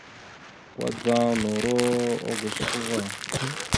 Kudzaŋ noro ogusko va.